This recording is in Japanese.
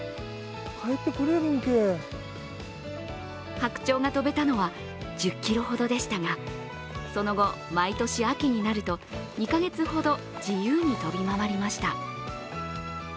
白鳥が飛べたのは１０ｋｍほどでしたがその後、毎年秋になると２か月ほど自由に飛び回りました。